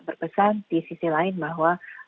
berpesan di sisi lain bahwa